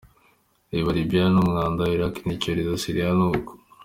Reba Libya ni umwanda, Iraq ni icyorezo, Syria ni uko.